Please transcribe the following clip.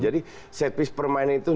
jadi set piece permainan itu